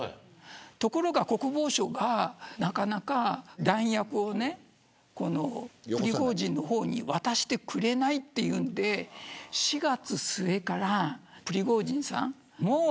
ところが国防省がなかなか弾薬をプリゴジンの方に渡してくれないというので４月末からプリゴジンさん